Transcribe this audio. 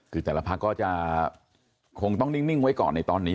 คือแต่ละพักก็จะคงต้องนิ่งไว้ก่อนในตอนนี้